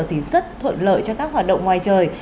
thì rất thuận lợi cho các hoạt động ngoài trời